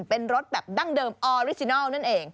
เป็นรถแบบดั้งเดิมออริจินัลนั่นเอง